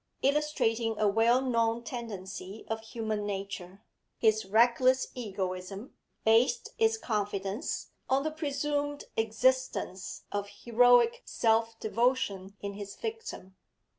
Illustrating a well known tendency of human nature, his reckless egoism based its confidence on the presumed existence of heroic self devotion in his victim.